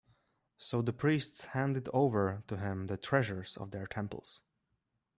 So the priests handed over to him the treasures of their temples.